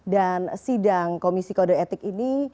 dan sidang komisi kode etik ini